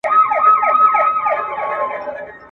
که تجربه شریکه سوې وي نو تېروتنه نه تکراریږي.